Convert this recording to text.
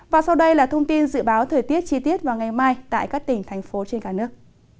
và sau đây là thông tin dự báo thời tiết chi tiết vào ngày mai tại các tỉnh thành phố trên cả nước